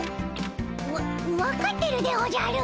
わ分かってるでおじゃる。